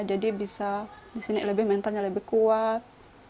jadi bisa di sini lebih mentalnya lebih kuat